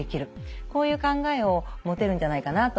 こういう考えを持てるんじゃないかなと思ってます。